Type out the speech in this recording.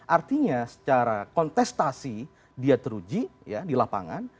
artinya secara kontestasi dia teruji di lapangan